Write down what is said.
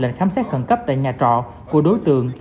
lệnh khám xét khẩn cấp tại nhà trọ của đối tượng